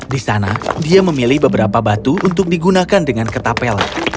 di sana dia memilih beberapa batu untuk digunakan dengan kertapel